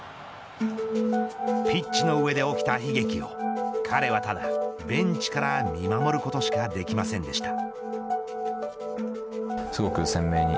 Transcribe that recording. ピッチの上で起きた悲劇を彼はただベンチから見守ることしかできませんでした。